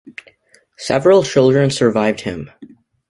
Several children survived him.